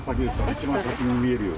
一番先に見える。